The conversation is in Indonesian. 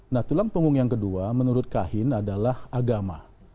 nah tulang punggung yang kedua menurut kahin adalah agama